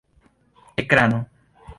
ekrano